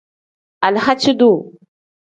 Alahaaci-duu.